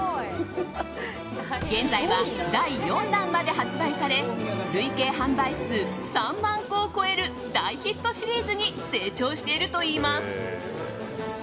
現在は、第４弾まで発売され累計販売数３万個を超える大ヒットシリーズに成長しているといいます。